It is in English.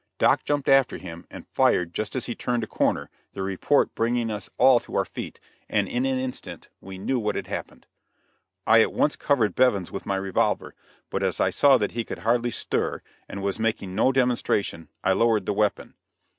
Doc jumped after him, and fired just as he turned a corner, the report bringing us all to our feet, and in an instant we knew what had happened. I at once covered Bevins with my revolver, but as I saw that he could hardly stir, and was making no demonstration, I lowered the weapon.